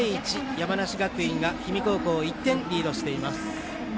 山梨学院が氷見高校を１点リードしています。